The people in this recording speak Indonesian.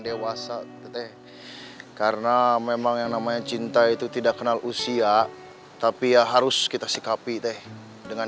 dewasa karena memang yang namanya cinta itu tidak kenal usia tapi ya harus kita sikapi teh dengan